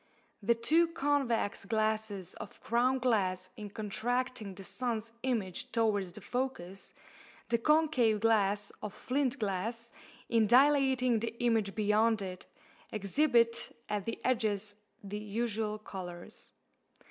The two convex glasses of crown glass in contracting the sun's image towards the focus, the concave glass of flint glass in dilating the image beyond it, exhibit at the edges the usual colours.